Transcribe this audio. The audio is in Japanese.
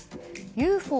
ＵＦＯ